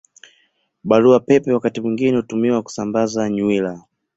Barua Pepe wakati mwingine hutumiwa kusambaza nywila.